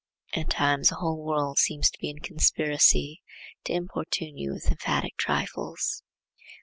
At times the whole world seems to be in conspiracy to importune you with emphatic trifles.